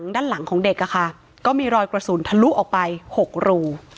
ด้านหลังของเด็กก็มีรอยกระสุนทะลุออกไป๖รู